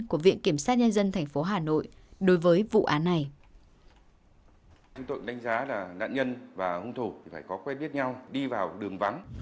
chúng tôi đánh giá là nạn nhân và hung thủ phải có quen biết nhau đi vào đường vắng